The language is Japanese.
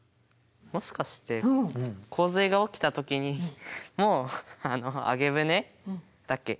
もしかして洪水が起きた時にもう揚舟だっけ？